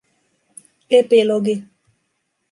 Epilogi